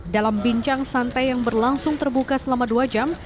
dalam bincang santai yang berlangsung terbuka selama dua jam